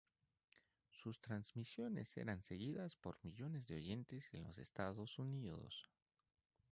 Sus transmisiones eran seguidas por millones de oyentes en los Estados Unidos.